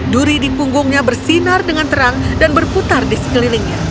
duri di punggungnya bersinar dengan terang dan berputar di sekelilingnya